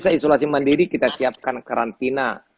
di kampung isolasi mandiri kita siapkan karantina